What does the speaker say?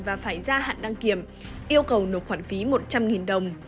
và phải ra hạn đăng kiểm yêu cầu nộp khoản phí một trăm linh đồng